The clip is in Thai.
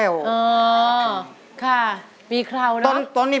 เพื่อจะไปชิงรางวัลเงินล้าน